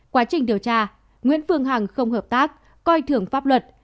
quá trình điều tra nguyễn phương hằng không hợp tác coi thường pháp luật